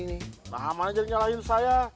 namanya jadi nyalahin saya